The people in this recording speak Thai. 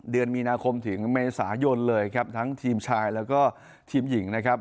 เดือนมีนาคมถึงเมษายนเลยครับทั้งทีมชายแล้วก็ทีมหญิงนะครับ